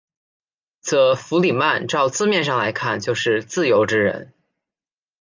则弗里曼照字面上来看就是自由之人。